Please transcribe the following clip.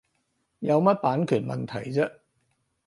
有乜版權問題啫